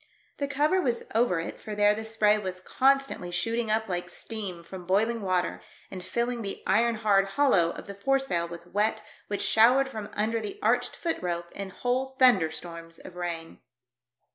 The cover was over it, for there the spray was constantly shooting up like steam from boiling water, and filling the iron hard hollov/ of the foresail with wet which showered from under the arched foot rope in whole thunderstorms of rain.